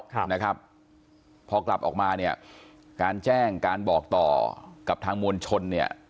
ครับนะครับพอกลับออกมาเนี่ยการแจ้งการบอกต่อกับทางมวลชนเนี่ย